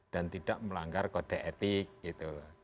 dan tidak melanggar kode etik gitu